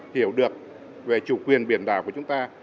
hiểu được về chủ quyền biển đảo của chúng ta